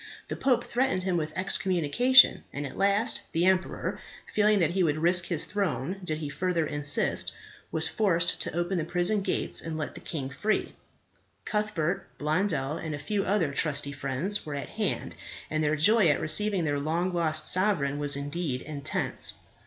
The pope threatened him with excommunication; and at last the emperor, feeling that he would risk his throne did he further insist, was forced to open the prison gates and let the king free. Cuthbert, Blondel, and a few other trusty friends were at hand, and their joy at receiving their long lost sovereign was indeed intense.